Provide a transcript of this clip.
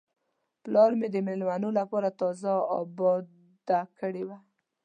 پلار مې د میلمنو لپاره تازه آباده کړې وه.